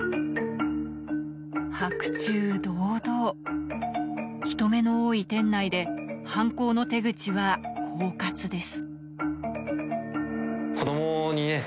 白昼堂々人目の多い店内で犯行の手口は狡猾です